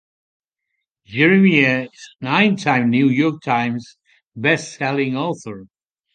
Jeremiah is a nine-time New York Times Best-Selling author.